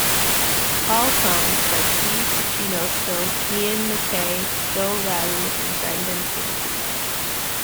All songs by Guy Picciotto, Ian MacKaye, Joe Lally, and Brendan Canty.